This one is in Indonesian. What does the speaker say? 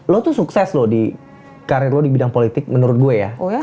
lo tuh sukses loh di karir lo di bidang politik menurut gue ya